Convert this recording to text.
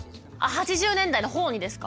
８０年代のほうにですか？